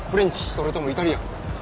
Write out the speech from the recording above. それともイタリアン？